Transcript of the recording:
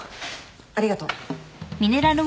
ありがとう。